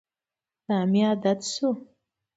دا مې عادت شو.